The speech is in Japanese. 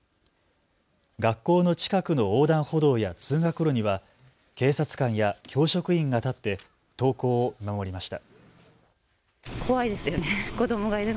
学校の近くの横断歩道や通学路には警察官や教職員が立って登校を見守りました。